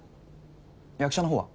役者の方は？